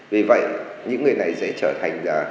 vì vậy những người này sẽ trở thành